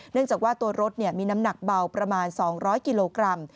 เนื่องจากว่าตัวรถมีน้ำหนักเบาประมาณ๒๐๐กิโลกรัม